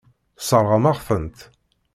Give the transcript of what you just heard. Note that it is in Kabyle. Tesseṛɣem-as-tent.